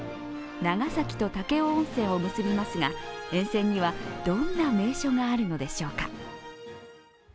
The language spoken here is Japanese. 長崎と武雄温泉を結びますが、沿線にはどんな名所があるのでしょうか？